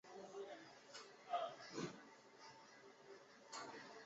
雍正朝状元彭启丰的女婿。